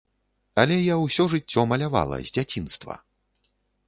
Але я ўсё жыццё малявала, з дзяцінства.